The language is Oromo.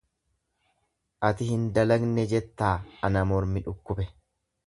Ati hin dalagne jettaa ana mormi dhukkube.